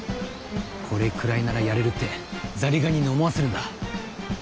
「これくらいならやれる」ってザリガニに思わせるんだ。